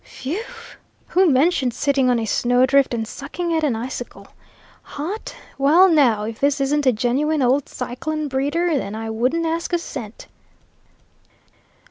W h e w! Who mentioned sitting on a snowdrift, and sucking at an icicle? Hot? Well, now, if this isn't a genuine old cyclone breeder, then I wouldn't ask a cent!"